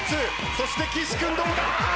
そして岸君どうだ！？